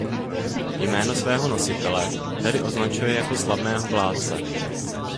Jméno svého nositele tedy označuje jako „slavného vládce“.